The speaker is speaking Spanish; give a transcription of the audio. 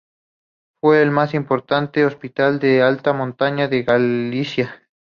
Fue el más importante hospital de alta montaña de Galicia.